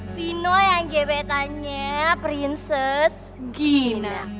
vino yang gebetannya princes gina